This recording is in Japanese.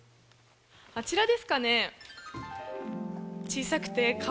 あちらですかね。